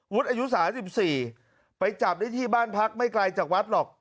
วุฒิอายุสามสิบสี่ไปจับได้ที่บ้านพักไม่ไกลจากวัดหรอก